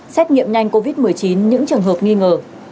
xét nghiệm nhanh covid một mươi chín những trường hợp nghi ngờ